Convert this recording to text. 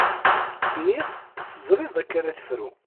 Niɣ teẓriḍ akka ara tefru.